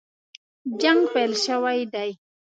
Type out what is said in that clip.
جنګ پیل شوی دی.